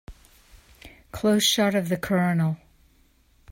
Close shot of the COLONEL.